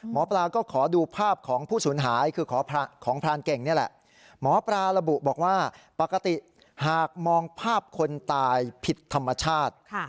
หมอปลาก็ขอดูภาพของผู้สูญหายคือของพรานเก่งนี่แหละหมอปลาระบุบอกว่าปกติหากมองภาพคนตายผิดธรรมชาติ